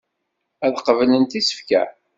Ad qeblent isefka.